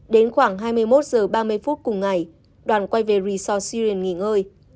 đến khoảng hai mươi một h ba mươi phút cùng ngày đoàn quay về resort siren nghỉ ngơi